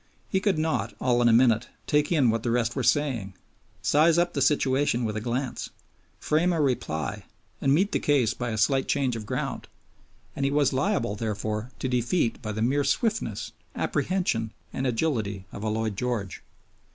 He could not, all in a minute, take in what the rest were saying, size up the situation with a glance, frame a reply, and meet the case by a slight change of ground; and he was liable, therefore, to defeat by the mere swiftness, apprehension, and agility of a Lloyd George.